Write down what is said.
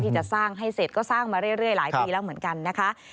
จะสร้างให้เสร็จก็สร้างมาเรื่อยหลายปีแล้วเหมือนกันนะคะ